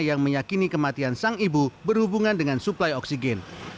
yang meyakini kematian sang ibu berhubungan dengan suplai oksigen